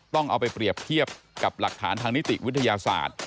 ต้องเอาไปเปรียบเทียบกับหลักฐานทางนิติวิทยาศาสตร์